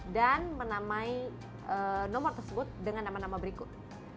dan menamai nomor tersebut dengan nama nama berikut